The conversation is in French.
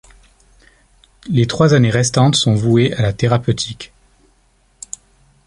Les trois années restantes sont vouées à la thérapeutique.